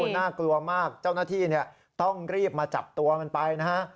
น่ากลัวมากเจ้าหน้าที่ต้องรีบมาจับตัวมันไปนะฮะ